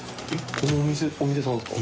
このお店さんですか？